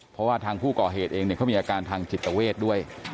เพราะว่าทางผู้ก่อเหตุเองเขามีอาการทางจิตเวทด้วย